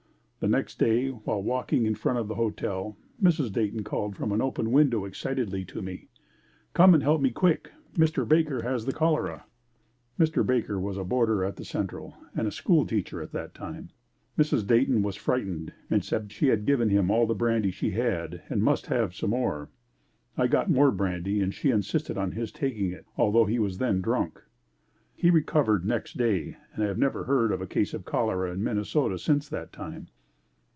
The next day while walking in front of the hotel, Mrs. Dayton called from an open window excitedly to me, "Come and help me quick. Mr. Baker has the cholera!" (Mr. Baker was a boarder at the Central and a school teacher at that time.) Mrs. Dayton was frightened and said she had given him all the brandy she had and must have some more. I got more brandy and she insisted on his taking it, altho' he was then drunk. He recovered next day and I have never heard of a case of cholera in Minnesota since that time.